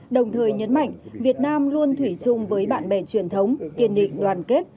đồng thời nhấn mạnh việt nam luôn thủy chung với bạn bè truyền thống kiên định đoàn kết